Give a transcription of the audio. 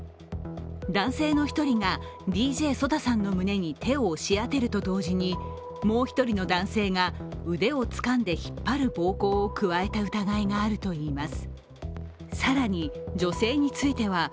男性の１人がＤＪＳＯＤＡさんの胸に手を押し当てると同時にもう１人の男性が腕をつかんで引っ張る暴行を加えた疑いがあるといいます。